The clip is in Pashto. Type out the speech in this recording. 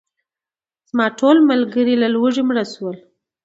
زما ټول ملګري له لوږې مړه شول.